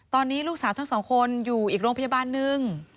ตอนนี้ลูกสาวทั้งสองคนอยู่อีกโรงพยาบาลนึง